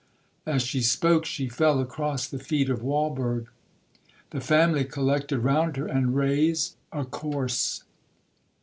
As she spoke, she fell across the feet of Walberg. The family collected round her, and raised—a corse.